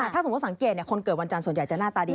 ถ้าสมมุติสังเกตคนเกิดวันจันทร์ส่วนใหญ่จะหน้าตาดี